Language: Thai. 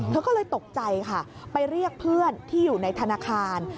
เธอก็เลยตกใจค่ะไปเรียกเพื่อนที่อยู่ในธนาคาร